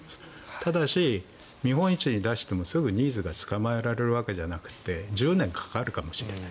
ただ、見本市に出してもすぐニーズがつかまえられるわけではなくて１０年かかるかもしれない。